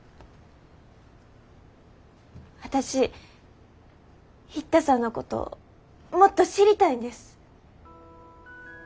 私一太さんのこともっと知りたいんです。